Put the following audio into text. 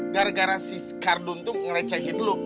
gara gara si kardun tuh ngerecahin lo